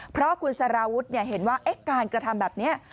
เพราะคุณสารวุฒิเห็นว่าการกระทำแบบนี้